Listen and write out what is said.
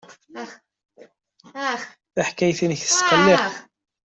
Taḥkayt-nnek tesqelliq.